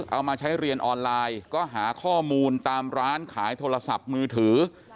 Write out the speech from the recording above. เอามาใช้เรียนออนไลน์ก็หาข้อมูลตามร้านขายโทรศัพท์มือถือ